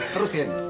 terus ya ini